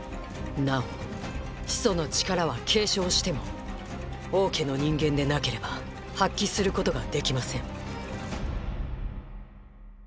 なお始祖の力は継承しても王家の人間でなければ発揮することができません